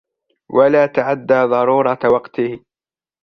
وَلَا تَعَدَّى ضَرُورَةَ وَقْتِهِ